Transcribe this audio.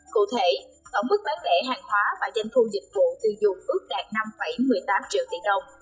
cụ thể tổng mức bán lẻ hàng hóa và doanh thu dịch vụ tiêu dùng ước đạt năm một mươi tám triệu tỷ đồng